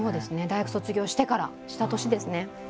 大学卒業してからした年ですね。